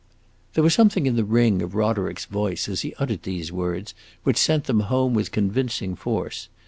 There was something in the ring of Roderick's voice, as he uttered these words, which sent them home with convincing force.